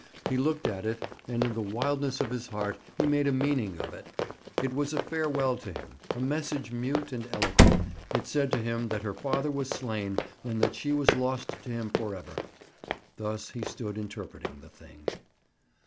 He looked at it, and in the wildness of his heart he made a meaning of it: it was a farewell to him, a message mute and eloquent; it said to him that her father was slain, and that she was lost to him for ever. Thus he stood interpreting the thing.